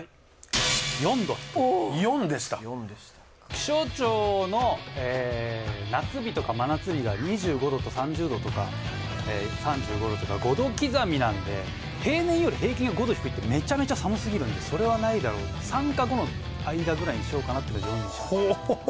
気象庁の夏日とか真夏日が２５℃と３０℃とか３５℃とか５℃刻みなんで平年より平均が５℃低いってめちゃめちゃ寒すぎるんでそれはないだろう３か５の間ぐらいにしようかなって４にしました。